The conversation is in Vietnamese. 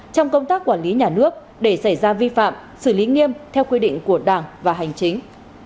trong công tác quản lý nhà nước để xảy ra vi phạm xử lý nghiêm theo quy định của đảng và hành chính